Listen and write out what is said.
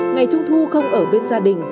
ngày trung thu không ở bên gia đình